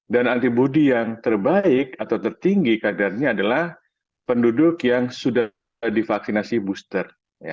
dan antibody yang terbaik atau tertinggi kadarnya adalah penduduk yang sudah divaksinasi booster